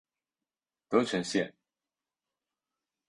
德城线